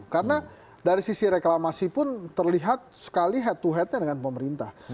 karena dari sisi reklamasi pun terlihat sekali head to head nya dengan pemerintah